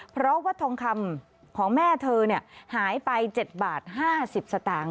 เพราะว่าทองคำของแม่เธอหายไป๗บาท๕๐สตางค์